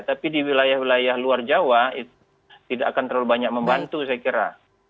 tapi di wilayah wilayah luar jawa itu tidak akan terlalu banyak membantu saya kira